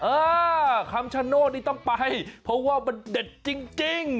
เออคำชโนธนี่ต้องไปเพราะว่ามันเด็ดจริง